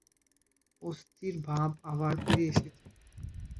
অস্থির ভাব আবার ফিরে এসেছে।